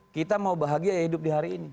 kita mau bahagia hidup di hari ini